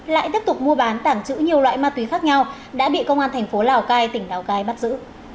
lại tiếp tục mua bán tảng trữ nhiều loại ma túy khác nhau đã bị công an thành phố lào cai tỉnh lào cai bắt giữ